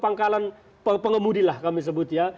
pangkalan pengemudi lah kami sebut ya